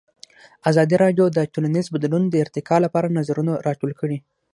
ازادي راډیو د ټولنیز بدلون د ارتقا لپاره نظرونه راټول کړي.